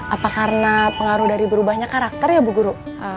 apa karena pengaruh dari berubahnya karakter ya bu guru